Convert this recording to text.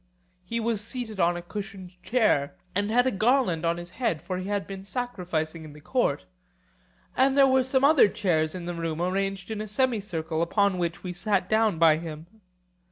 He was seated on a cushioned chair, and had a garland on his head, for he had been sacrificing in the court; and there were some other chairs in the room arranged in a semicircle, upon which we sat down by him.